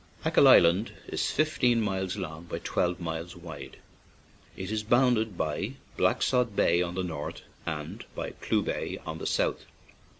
Achill Island is fifteen miles long by twelve miles wide; it is bounded by Black sod Bay on the north and by Clew Bay on the south.